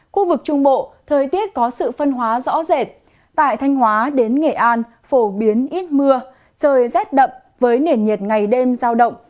khu vực trung bộ thời tiết có sự phân hóa rõ rệt tại thanh hóa đến nghệ an phổ biến ít mưa trời rét đậm với nền nhiệt ngày đêm giao động